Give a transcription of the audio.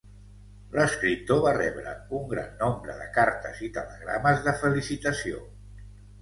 L'escriptor va rebre un gran nombre de cartes i telegrames de felicitació.